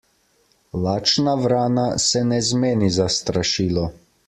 Lačna vrana se ne zmeni za strašilo.